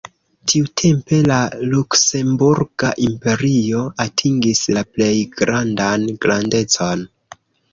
Tiutempe la luksemburga imperio atingis la plej grandan grandecon.